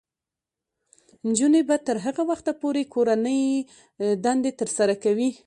نجونې به تر هغه وخته پورې کورنۍ دندې ترسره کوي.